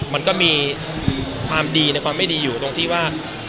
มันก็มีความดีในความไม่ดีอยู่ตรงที่ว่า